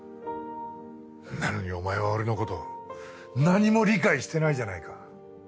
なのにお前は俺の事を何も理解してないじゃないか。